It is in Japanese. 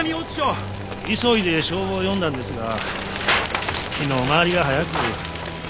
急いで消防を呼んだんですが火の回りが早く。